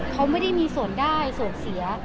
เขาไม่ได้มีส่วนได้ส่วนเสีย